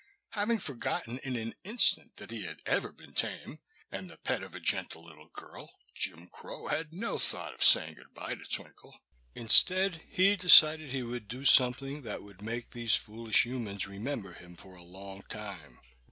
Having forgotten in an instant that he had ever been tame, and the pet of a gentle little girl, Jim Crow had no thought of saying good bye to Twinkle. Instead, he decided he would do something that would make these foolish humans remember him for a long time.